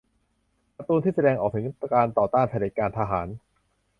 การ์ตูนที่แสดงออกถึงการต่อต้านเผด็จการทหาร